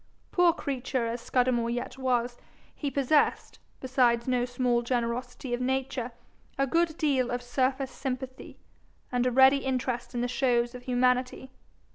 Poor creature as Scudamore yet was, he possessed, besides no small generosity of nature, a good deal of surface sympathy, and a ready interest in the shows of humanity.